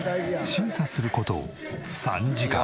審査する事３時間。